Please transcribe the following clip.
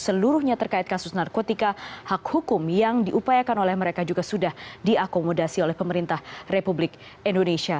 seluruhnya terkait kasus narkotika hak hukum yang diupayakan oleh mereka juga sudah diakomodasi oleh pemerintah republik indonesia